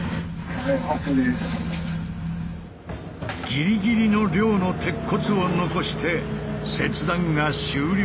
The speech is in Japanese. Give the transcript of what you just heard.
ぎりぎりの量の鉄骨を残して切断が終了した。